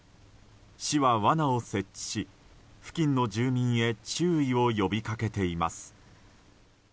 市は罠を設置し、付近の住民へ注意を呼びかけています。